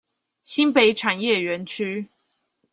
新北產業園區